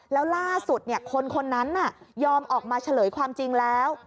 ถ้าสุดเนี่ยคนนั้นน่ะยอมออกมาเฉลยความจริงแล้ว